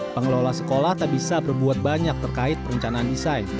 pengelola sekolah tak bisa berbuat banyak terkait perencanaan desain